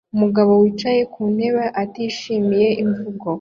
Umugabo wicaye kuntebe atishimiye imvugo